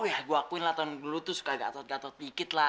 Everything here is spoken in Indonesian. ya gue akuin lah tahun dulu tuh suka gatot gatot dikit lah